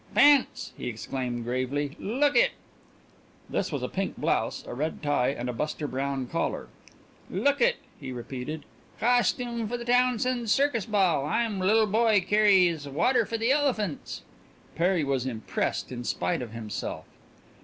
"Pants," he exclaimed gravely. "Lookit!" This was a pink blouse, a red tie, and a Buster Brown collar. "Lookit!" he repeated. "Costume for the Townsends' circus ball. I'm li'l' boy carries water for the elephants." Perry was impressed in spite of himself.